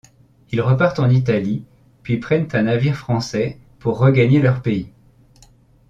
Ils repartent en Italie, puis prennent un navire français pour regagner leur pays.